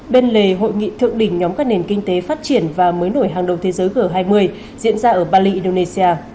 bên lề hội nghị thượng đỉnh nhóm các nền kinh tế phát triển và mới nổi hàng đầu thế giới g hai mươi diễn ra ở bali indonesia